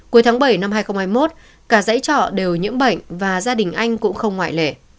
cuối tháng bảy năm hai nghìn hai mươi một cả dãy trọ đều nhiễm bệnh và gia đình anh cũng không ngoại lệ